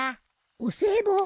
お歳暮？